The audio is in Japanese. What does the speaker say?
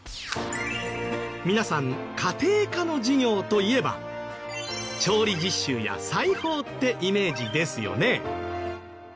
皆さん家庭科の授業といえば調理実習や裁縫ってイメージですよね？